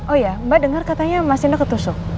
oh iya mbak denger katanya mas tindo ketusuk